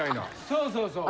そうそうそう。